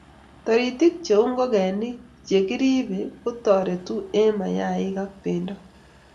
toritik cheuu ngokenik chekiribei kotoretuu en mayaik ak bentoo